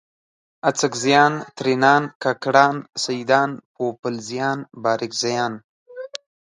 اڅکزیان، ترینان، کاکړان، سیدان ، پوپلزیان، بارکزیان